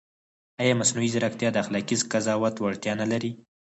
ایا مصنوعي ځیرکتیا د اخلاقي قضاوت وړتیا نه لري؟